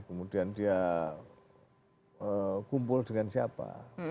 kemudian dia kumpul dengan siapa